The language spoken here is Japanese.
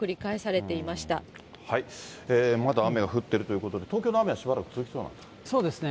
はい、また雨は降っているということで、東京の雨はしばらく続きそうなんですか。